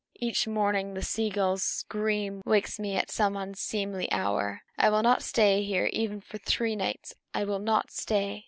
Each morning the sea gull's scream wakes me at some unseemly hour. I will not stay here even for three nights! I will not stay!"